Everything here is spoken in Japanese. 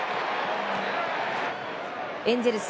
エンゼルス